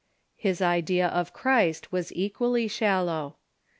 His idea of Christ was equally shal low.